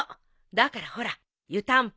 だからほら湯たんぽ。